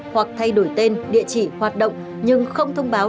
hoặc thay đổi tên địa chỉ hoạt động nhưng không thông báo